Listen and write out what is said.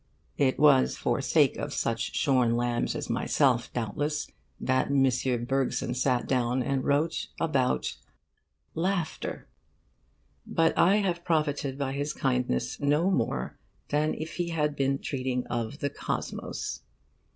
It was for sake of such shorn lambs as myself, doubtless, that M. Bergson sat down and wrote about Laughter. But I have profited by his kindness no more than if he had been treating of the Cosmos.